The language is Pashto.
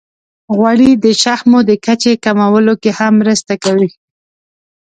غوړې د شحمو د کچې کمولو کې هم مرسته کوي.